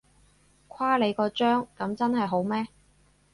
誇你個張，噉真係好咩？